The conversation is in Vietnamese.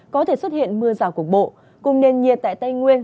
có thể xuất hiện mưa vào cuộc bộ cùng nền nhiệt tại tây nguyên